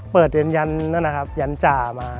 เปิดเรียนยันนะครับยันจ่ามา